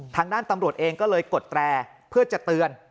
ทางด้านตำรวจเองก็เลยกดแตรเพื่อจะเตือน